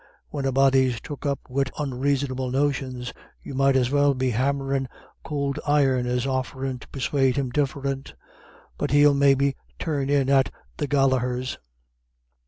When a body's took up wid onraisonable notions, you might as well be hammerin' could iron as offerin' to persuade him diff'rint. But he'll maybe turn in at the Gallahers'."